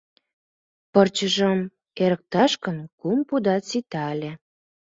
Пырчыжым эрыкташ гын, кум пудат сита ыле.